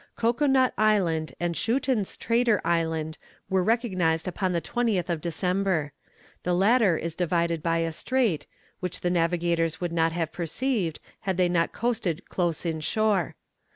Cocoa nut Island and Schouten's Traitor Island were recognized upon the 20th of December. The latter is divided by a strait, which the navigators would not have perceived, had they not coasted close in shore.